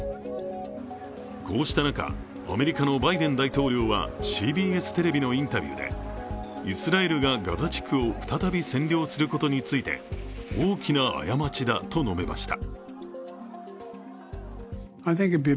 こうした中、アメリカのバイデン大統領はＣＢＳテレビのインタビューでイスラエルがガザ地区を再び占領することについて、大きな過ちだと述べました。